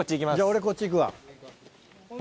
俺こっち行くわ。